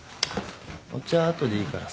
お茶後でいいからさ。